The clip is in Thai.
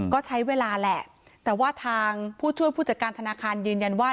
ก็ใช้เวลาแหละแต่ว่าทางผู้ช่วยผู้จัดการธนาคารยืนยันว่า